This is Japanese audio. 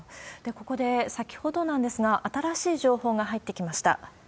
ここで、先ほどなんですが、新しい情報が入ってきました。